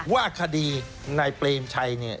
ว่าคดีนายเปรมชัยเนี่ย